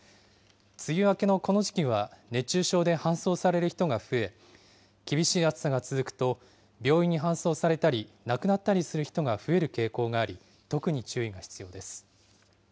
梅雨明けのこの時期は、熱中症で搬送される人が増え、厳しい暑さが続くと、病院に搬送されたり、亡くなったりする人が増える傾向があり、特に注意が必要です。